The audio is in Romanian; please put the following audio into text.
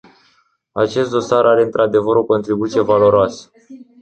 Acest dosar are într-adevăr o contribuție valoroasă.